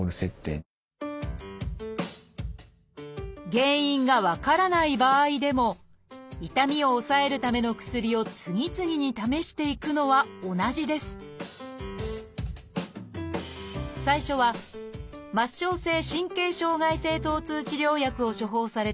原因が分からない場合でも痛みを抑えるための薬を次々に試していくのは同じです最初は末梢性神経障害性疼痛治療薬を処方された山村さん。